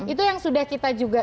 itu yang sudah kita juga